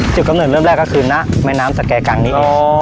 จะกำหนดเริ่มแรกก็คือนะไม่น้ำสแกนงนี้อ๋อ